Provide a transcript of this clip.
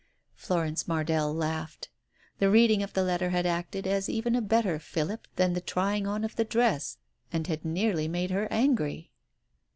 Florence Mardell laughed. The reading of the letter had acted as even a better fillip than the trying on of the dress, and had nearly made her angry.